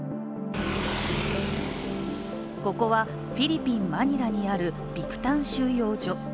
ここはフィリピン・マニラにあるビクタン収容所。